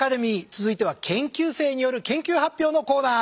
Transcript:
続いては研究生による研究発表のコーナー。